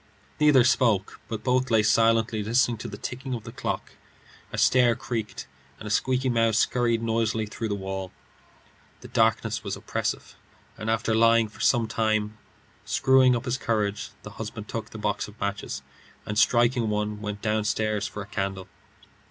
Neither spoke, but lay silently listening to the ticking of the clock. A stair creaked, and a squeaky mouse scurried noisily through the wall. The darkness was oppressive, and after lying for some time screwing up his courage, he took the box of matches, and striking one, went downstairs for a candle.